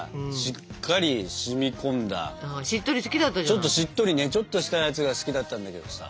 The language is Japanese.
ちょっとしっとりねちょっとしたやつが好きだったんだけどさ。